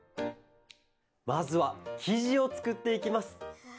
まずはきじをつくっていきます。